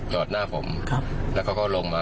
จอดหน้าผมแล้วเขาก็ลงมา